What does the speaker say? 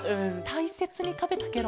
たいせつにたべたケロ？